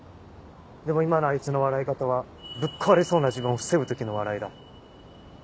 でも今のあいつの笑い方はぶっ壊れそうな自分を防ぐ時の笑いだ。